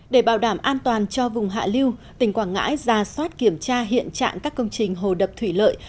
để bảo đảm an toàn cho vùng hạ lưu tỉnh quảng ngãi ra soát kiểm tra hiện trạng các công trình hồ đập thủy lợi